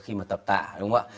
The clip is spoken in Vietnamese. khi mà tập thể dục thể thao